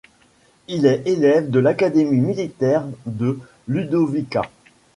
Il est élève à l'académie militaire de Ludovica.